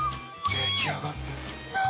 出来上がってる。